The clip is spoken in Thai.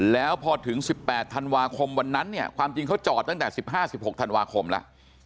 แล้วพอถึง๑๘ธันวาคมวันนั้นเนี่ยความจริงเขาจอดตั้งแต่๑๕๑๖ธันวาคมแล้ว